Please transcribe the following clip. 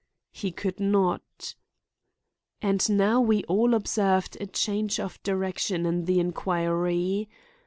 He could not. And now we all observed a change of direction in the inquiry.